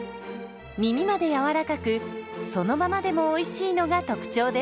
みみまでやわらかくそのままでもおいしいのが特徴です。